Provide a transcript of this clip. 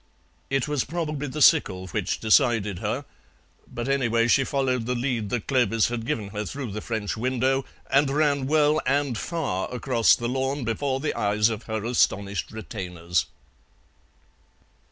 It was probably the sickle which decided her, but anyway she followed the lead that Clovis had given her through the French window, and ran well and far across the lawn before the eyes of her astonished retainers.